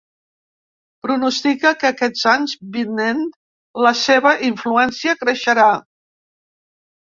Pronostica que aquests anys vinent la seva influència creixerà.